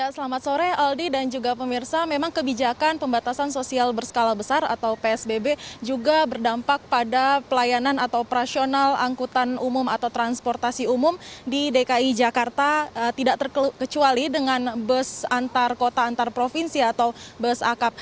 selamat sore aldi dan juga pemirsa memang kebijakan pembatasan sosial berskala besar atau psbb juga berdampak pada pelayanan atau operasional angkutan umum atau transportasi umum di dki jakarta tidak terkecuali dengan bus antar kota antar provinsi atau bus akap